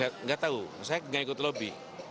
tidak tahu saya tidak ikut lobi